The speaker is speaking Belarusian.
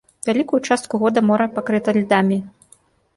Вялікую частку года мора пакрыта льдамі.